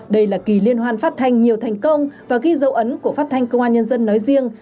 đây là kỳ liên hoan phát thanh nhiều thành công và ghi dấu ấn của phát thanh công an nhân dân nói riêng